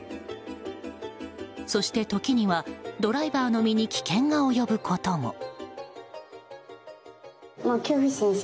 そして時にはドライバーの身に危険が及ぶことも。